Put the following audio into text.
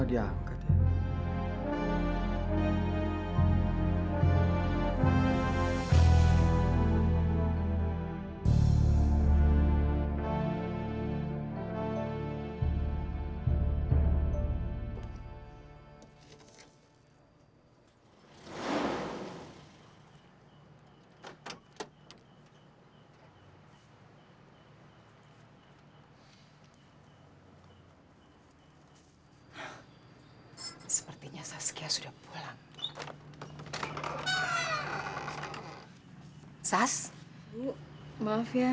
ibu serah sendiri lagi